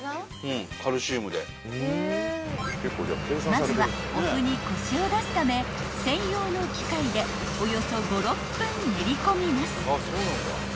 ［まずはお麩にコシを出すため専用の機械でおよそ５６分練り込みます］